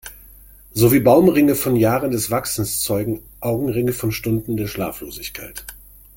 So wie Baumringe von Jahren des Wachsens zeugen Augenringe von Stunden der Schlaflosigkeit.